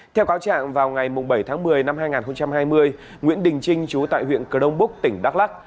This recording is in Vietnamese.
theo cáo trạng vào ngày bảy tháng một mươi năm hai nghìn hai mươi nguyễn đình trinh chú tại huyện cờ đông búc tỉnh đắk lắc